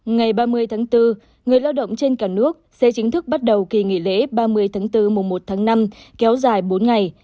ngày ba mươi tháng bốn người lao động trên cả nước sẽ chính thức bắt đầu kỳ nghỉ lễ ba mươi tháng bốn mùa một tháng năm kéo dài bốn ngày